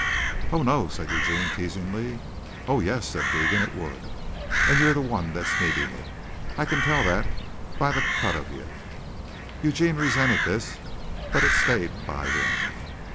"Oh, no," said Eugene teasingly. "Oh, yes," said Deegan, "it would. An' yere the wan that's needin' it. I can tell that by the cut av ye." Eugene resented this but it stayed by him.